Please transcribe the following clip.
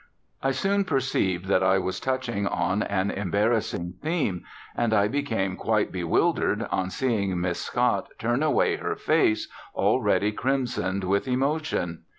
_ I soon perceived that I was touching on an embarrassing theme, and I became quite bewildered on seeing Miss Scott turn away her face, already crimsoned with emotion.